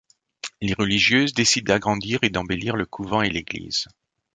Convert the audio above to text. Les religieuses décident d'agrandir et d'embellir le couvent et l'église.